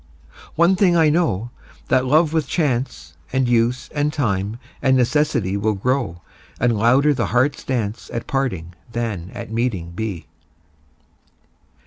One thing I know, that love with chance And use and time and necessity Will grow, and louder the heart's dance At parting than at meeting be.